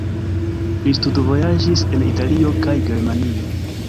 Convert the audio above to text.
Li studvojaĝis en Italio kaj Germanio.